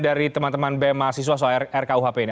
dari teman teman be mahasiswa soal rkuhp ini